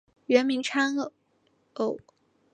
原名昌枢。